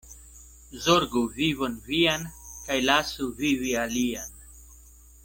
Zorgu vivon vian kaj lasu vivi alian.